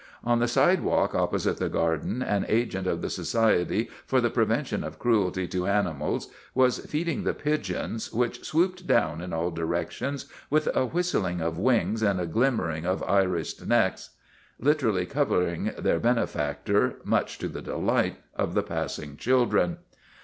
On the sidewalk opposite the Garden an agent of the Society for the Prevention of Cruelty to Animals was feed ing the pigeons, which swooped down in all direc tions with a whistling of wings and a glimmering of irised necks, literally covering their benefactor, much to the delight of the passing children.